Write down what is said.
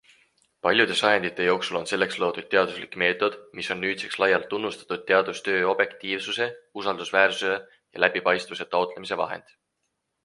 Paljude sajandite jooksul on selleks loodud teaduslik meetod, mis on nüüdseks laialt tunnustatud teadustöö objektiivsuse, usaldusväärsuse ja läbipaistvuse taotlemise vahend.